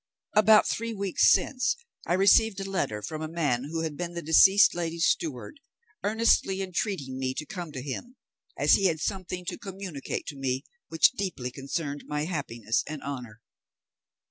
"About three weeks since I received a letter from a man who had been the deceased lady's steward, earnestly entreating me to come to him, as he had something to communicate to me which deeply concerned my happiness and honour.